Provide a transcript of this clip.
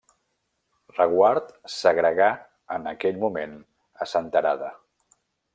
Reguard s'agregà en aquell moment a Senterada.